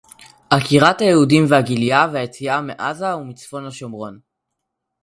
עקירת יהודים והגליה ויציאה מעזה ומצפון-השומרון